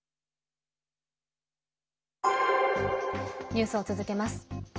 ニュースを続けます。